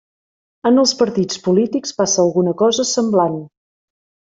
En els partits polítics passa alguna cosa semblant.